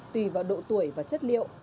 tùy vào độ tuổi và chất liệu